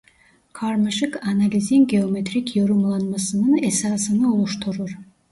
Karmaşık analizin geometrik yorumlanmasının esasını oluşturur.